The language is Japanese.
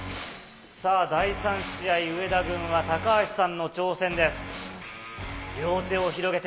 第３試合、上田軍は高橋さんの挑戦です。